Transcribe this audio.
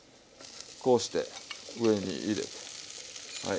こうして上に入れてはい。